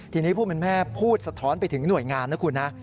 ทีนี้ผู้เป็นแม่พูดสะท้อนไปถึงหน่วยงานนะคุณนะ